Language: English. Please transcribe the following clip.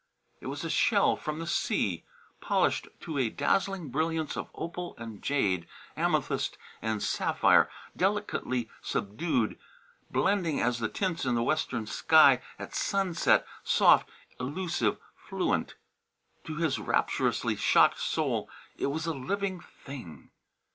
It was a shell from the sea, polished to a dazzling brilliance of opal and jade, amethyst and sapphire, delicately subdued, blending as the tints in the western sky at sunset, soft, elusive, fluent. To his rapturously shocked soul, it was a living thing.